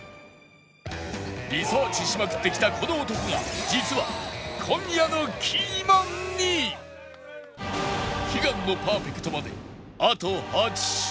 リサーチしまくってきたこの男が実は悲願のパーフェクトまであと８品